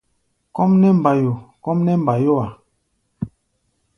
Kɔ́ʼm nɛ́ mbayo! kɔ́ʼm nɛ́ mbayó-a.